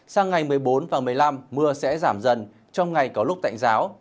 sang ngày một mươi bốn và một mươi năm mưa sẽ giảm dần trong ngày có lúc tạnh giáo